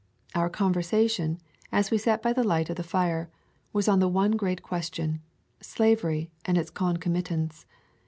Our conversation, as we sat by the light of the fire, was on the one great question, slavery and its concomitants.